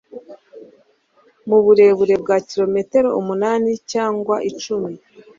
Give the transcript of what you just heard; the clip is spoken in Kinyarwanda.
mu burebure bwa kilometero umunani cyangwa icumi